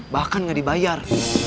bahkan gak dibayar